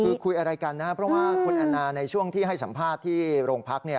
คือคุยอะไรกันนะครับเพราะว่าคุณแอนนาในช่วงที่ให้สัมภาษณ์ที่โรงพัก